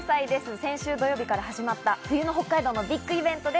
先週土曜日から始まった冬の北海道のビッグイベントです。